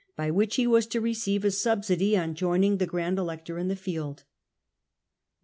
* b y he was to receive a subsidy on General, joining the Grand Elector in the field. No Oct.